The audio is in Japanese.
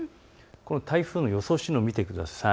この台風の予想進路を見てください。